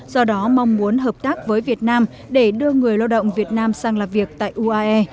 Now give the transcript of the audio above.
do đó mong muốn hợp tác với việt nam để đưa người lao động việt nam sang làm việc tại uae